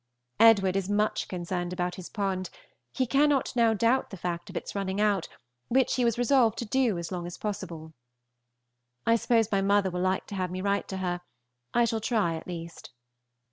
Edward is much concerned about his pond; he cannot now doubt the fact of its running out, which he was resolved to do as long as possible. I suppose my mother will like to have me write to her. I shall try at least.